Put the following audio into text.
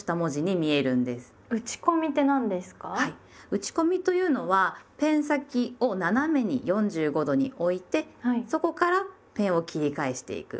打ち込みというのはペン先を斜めに４５度に置いてそこからペンを切り返していく。